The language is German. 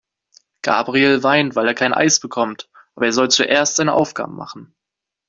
Gabriel weint, weil er kein Eis bekommt. Aber er soll zuerst seine Aufgaben machen.